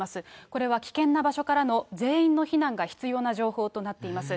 これは危険な場所からの全員の避難が必要な情報となっています。